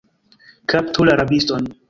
Kaptu la rabiston!